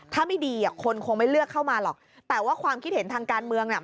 ถ้าไม่ดีอ่ะคนคงไม่เลือกเข้ามาหรอกแต่ว่าความคิดเห็นทางการเมืองน่ะ